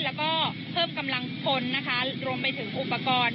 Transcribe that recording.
แล้วก็เพิ่มกำลังคนนะคะรวมไปถึงอุปกรณ์